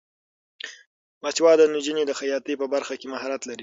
باسواده نجونې د خیاطۍ په برخه کې مهارت لري.